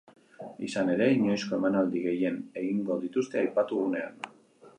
Izan ere, inoizko emanaldi gehien egingo dituzte aipatu gunean.